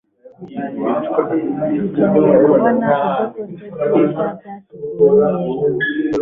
Dukeneye kubona ibyokurya byiza byateguwe neza